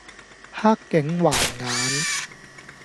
黑警還眼